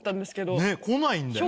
ねっ来ないんだよ。